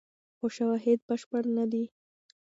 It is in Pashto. خو شواهد بشپړ نه دي.